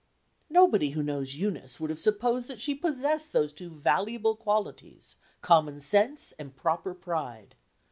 Nobody who knows Eunice would have supposed that she possessed those two valuable qualities common sense and proper pride.